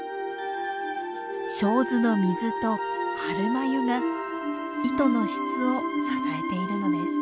清水の水と春繭が糸の質を支えているのです。